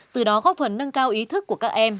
từ đó góp phần nâng cao ý thức của các em